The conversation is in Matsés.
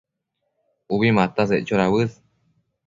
Ubi mataseccho dauës